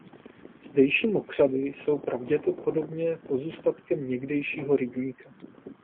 Zdejší mokřady jsou pravděpodobně pozůstatkem někdejšího rybníka.